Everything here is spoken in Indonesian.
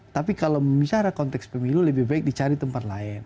tapi kalau bicara konteks pemilu lebih baik dicari tempat lain